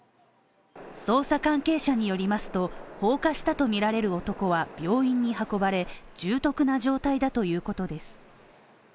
捜査関係者によりますと、放火したとみられる男は病院に運ばれ重篤な状態だということです。